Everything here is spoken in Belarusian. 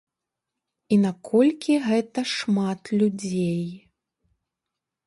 І наколькі гэта шмат людзей?